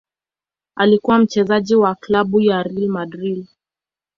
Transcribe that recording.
Alikuwa mchezaji wa klabu ya Real Madrid.